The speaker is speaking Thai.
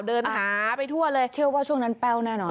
เดินหาไปทั่วเลยทั่วช่วงนั้นแป๊วยั่นหรอ